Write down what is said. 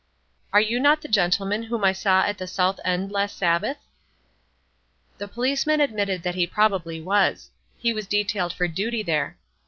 "Are you not the gentleman whom I saw at the South End last Sabbath?" The policeman admitted that he probably was. He was detailed for duty there.